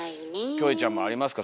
キョエちゃんもありますか？